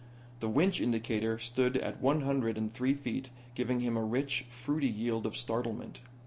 The winch indicator stood at one hundred and three feet, giving him a rich, fruity yield of startlement.